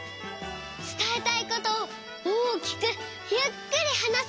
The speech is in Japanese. つたえたいことを大きくゆっくりはなす。